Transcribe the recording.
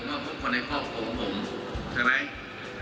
แล้วก็ทุกคนในครอบครัวของผมใช่ไหม